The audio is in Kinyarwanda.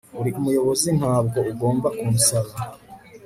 uri umuyobozi ntabwo ugomba kunsaba